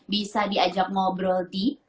bisa diajak ngobrol di